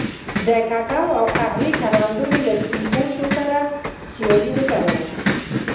د کوکو او قهوې کروندګرو له سپین پوستو سره سیالي نه کوله.